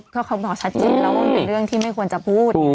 ก็เขาบอกชัดเจนแล้วว่ามันเป็นเรื่องที่ไม่ควรจะพูด